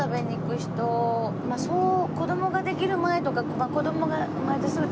そう子供ができる前とか子供が生まれてすぐ。